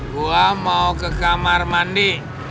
gua mau ke kamar mandi